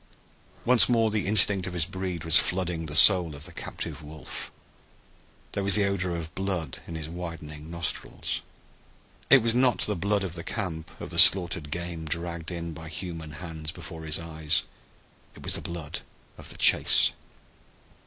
Once more the instinct of his breed was flooding the soul of the captive wolf. There was the odor of blood in his widening nostrils. It was not the blood of the camp, of the slaughtered game dragged in by human hands before his eyes. It was the blood of the chase!